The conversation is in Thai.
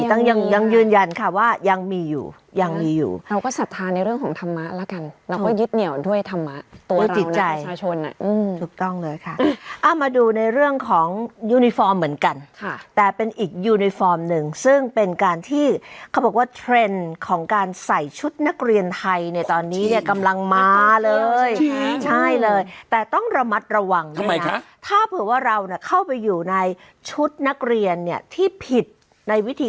ตัวเรานะประชาชนอืมถูกต้องเลยค่ะอ้ามาดูในเรื่องของยูนิฟอร์มเหมือนกันค่ะแต่เป็นอีกยูนิฟอร์มหนึ่งซึ่งเป็นการที่เขาบอกว่าเทรนด์ของการใส่ชุดนักเรียนไทยในตอนนี้เนี่ยกำลังมาเลยใช่เลยแต่ต้องระมัดระวังทำไมคะถ้าเผื่อว่าเราเนี่ยเข้าไปอยู่ในชุดนักเรียนเนี่ยที่ผิดในวิ